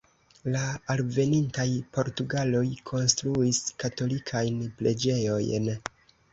La alvenintaj portugaloj konstruis katolikajn preĝejojn.